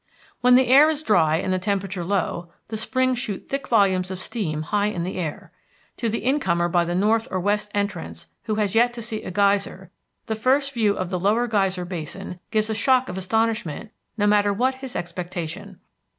When the air is dry and the temperature low, the springs shoot thick volumes of steam high in air. To the incomer by the north or west entrance who has yet to see a geyser, the first view of the Lower Geyser Basin brings a shock of astonishment no matter what his expectation.